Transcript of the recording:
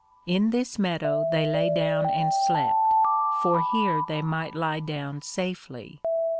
In this Meadow they lay down and slept, for here they might _lie down safely.